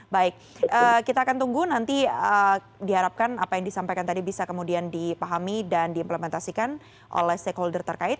baik kita akan tunggu nanti diharapkan apa yang disampaikan tadi bisa kemudian dipahami dan diimplementasikan oleh stakeholder terkait